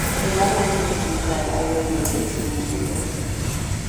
A lot of the things you said I really relate to and agree with.